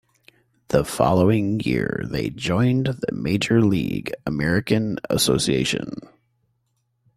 The following year, they joined the major league American Association.